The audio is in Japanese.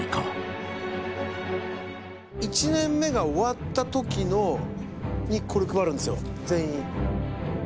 一年目が終わった時にこれ配るんですよ全員に。